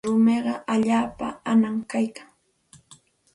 Rumiqa allaapa anam kaykan.